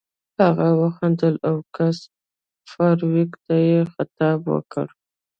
هغه وخندل او ګس فارویک ته یې خطاب وکړ